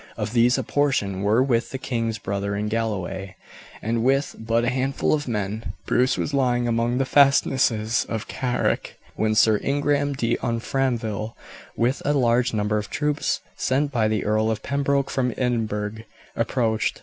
Of these a portion were with the king's brother in Galloway, and with but a handful of men Bruce was lying among the fastnesses of Carrick when Sir Ingram de Umfraville, with a large number of troops sent by the Earl of Pembroke from Edinburgh, approached.